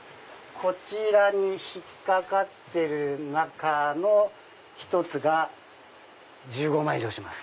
こちらに引っ掛かってる中の１つが１５万以上します。